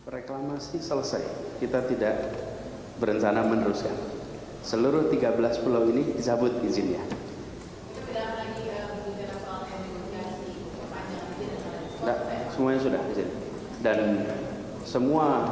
reklamasi selesai kita tidak berencana meneruskan seluruh tiga belas pulau ini dicabut izinnya